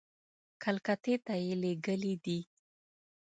کلکتې ته یې لېږلي دي.